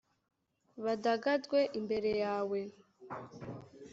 badagadwe imbere yawe.